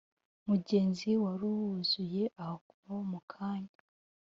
mugezi wari wuzuye aho mukanya